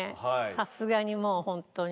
さすがにもうホントに。